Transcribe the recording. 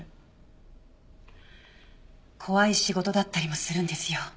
怖い仕事だったりもするんですよ。